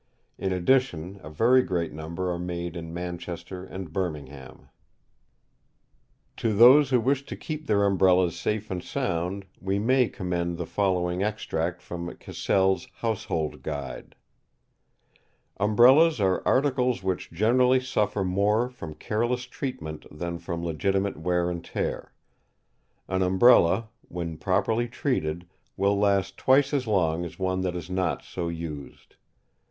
In addition, a very great number are made in Manchester and Birmingham. To those who wish to keep their Umbrellas safe and sound, we may commend the following extract from Cassell's Household Guide: "Umbrellas are articles which generally suffer more from careless treatment than from legitimate wear and tear; an Umbrella, when properly treated, will last twice as long as one that is not so used.